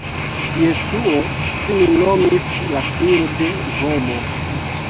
Jesuo sin nomis la "filo de homo".